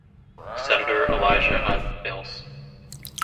Senator Elijah Hunt Mills.